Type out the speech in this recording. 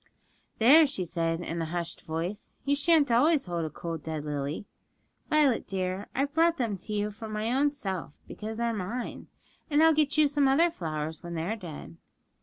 'There,' she said in a hushed voice; 'you shan't always hold a cold dead lily, Violet dear; I've brought them to you from my own self, because they're mine, and I'll get you some other flowers when they are dead.'